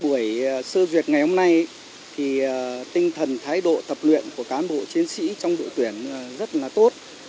buổi sơ duyệt ngày hôm nay thì tinh thần thái độ tập luyện của cán bộ chiến sĩ trong đội tuyển rất là tốt